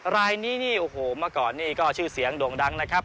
รายนี้โอ้โหมาก่อนนี่ก็ชื่อเสียงด่วงดังนะครับ